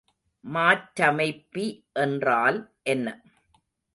மாற்றமைப்பி என்றால் என்ன?